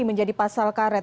menjadi pasal karet